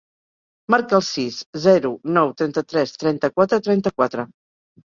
Marca el sis, zero, nou, trenta-tres, trenta-quatre, trenta-quatre.